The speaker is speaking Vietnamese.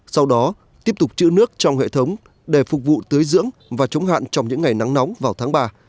sau đó tiếp tục chữ nước trong hệ thống để phục vụ tưới dưỡng và chống hạn trong những ngày nắng nóng vào tháng ba